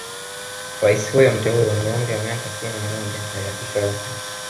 Rais huyo mteule mwenye umri wa miaka sitini na moja aliapishwa rasmi